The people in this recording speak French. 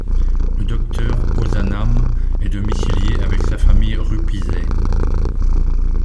Le docteur Ozanam est domicilié avec sa famille rue Pizay.